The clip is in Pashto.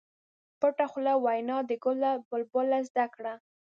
پټه خوله وینا د ګل له بلبل زده کړه.